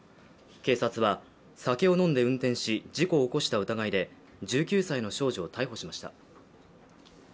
警察は酒を飲んで運転し事故を起こした疑いで１９歳の少女を逮捕しました。